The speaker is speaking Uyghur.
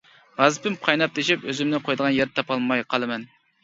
غەزىپىم قايناپ تېشىپ ئۆزۈمنى قۇيىدىغان يەر تاپالماي قالىمەن.